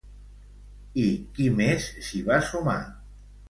I qui més s'hi va sumar?